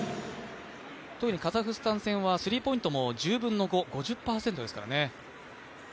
特にカザフスタン戦はスリーポイントシュートも１０分の５、５０％ですからね。